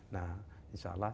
nah insya allah